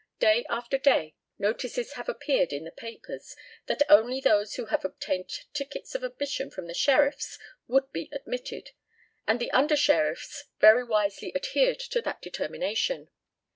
Day after day notices have appeared in the papers, that only those who had obtained tickets of admission from the Sheriffs would be admitted; and the under sheriffs very wisely adhered to that determination.